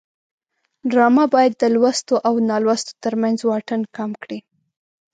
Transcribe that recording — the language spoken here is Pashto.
ډرامه باید د لوستو او نالوستو ترمنځ واټن کم کړي